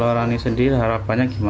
rani sendiri harapannya gimana